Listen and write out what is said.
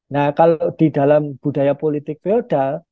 nah kalau di dalam budaya politik feodal